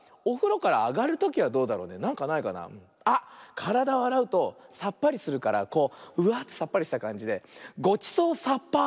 からだをあらうとさっぱりするからこううわってさっぱりしたかんじで「ごちそうさっぱ」ってどう？